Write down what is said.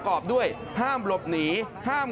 ก็ตอบได้คำเดียวนะครับ